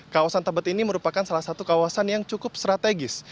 kawasan tebet ini merupakan salah satu kawasan yang cukup strategis